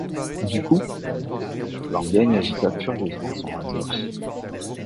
Du coup, Lengaigne agita furieusement son rasoir.